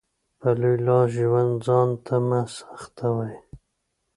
په لوی لاس ژوند ځانته مه سخوئ.